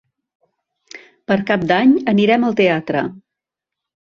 Per Cap d'Any anirem al teatre.